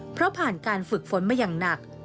เพราะผ่านการฝึกฝนมาอย่างหนัก